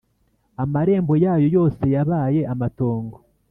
amarembo yayo yose yabaye amatongo,